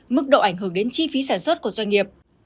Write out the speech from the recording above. mức độ ảnh hưởng đến chi phí sản xuất của doanh nghiệp